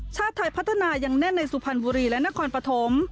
ชาติไทยพัฒนายังแน่นในสุพรรณบุรีและนครปฐม